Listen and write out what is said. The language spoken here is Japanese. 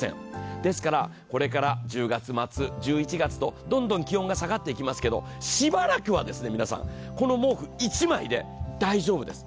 ですから、これから１０月末、１１月とどんどん気温が下がっていきますけど、しばらくは皆さん、この毛布１枚で大丈夫です。